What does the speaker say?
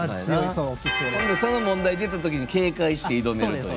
その問題が出たときに警戒して挑める。